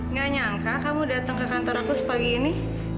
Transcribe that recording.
nggak nyangka kamu datang ke kantor aku sepagi ini